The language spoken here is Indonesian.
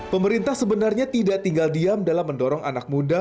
pemerintah sebenarnya tidak tinggal diam dalam mendorong anak muda